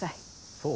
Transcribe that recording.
そう？